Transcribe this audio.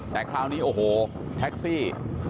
แต่คราวนี้โอ้โหแท็กซี่